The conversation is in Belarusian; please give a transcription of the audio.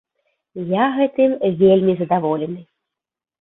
Я гэтым вельмі задаволены.